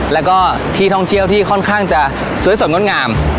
แล้วก็ที่ท่องเที่ยวที่ค่อนข้างจะสวยสดงดงาม